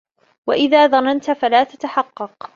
وَإِذَا ظَنَنْتَ فَلَا تَتَحَقَّقْ